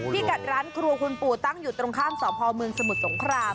พี่กัดร้านครัวคุณปู่ตั้งอยู่ตรงข้ามสพเมืองสมุทรสงคราม